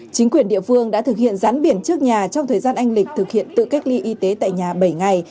chính quyền địa phương đã thực hiện rán biển trước nhà trong thời gian anh lịch thực hiện tự cách ly y tế tại nhà bảy ngày